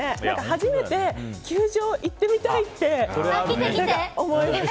初めて球場行ってみたいって思いました。